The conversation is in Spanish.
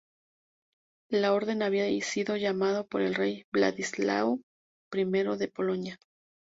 La Orden había sido llamada por el rey Vladislao I de Polonia.